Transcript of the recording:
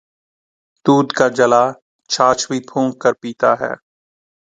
دودھ کا جلا چھاچھ بھی پھونک کر پیتا ہے